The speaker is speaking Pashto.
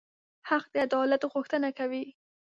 حق د عدالت غوښتنه کوي.